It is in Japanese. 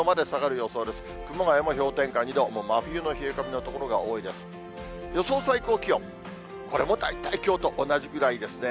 予想最高気温、これも大体きょうと同じぐらいですね。